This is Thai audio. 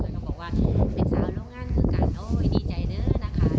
แล้วก็บอกว่าเป็นชาวโรงงานขึ้นกันโอ้ยดีใจเนอะนะคะ